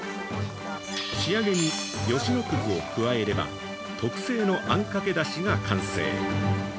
仕上げに吉野葛を加えれば、特製のあんかけだしが完成。